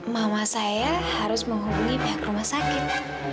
mama saya harus menghubungi pihak rumah sakit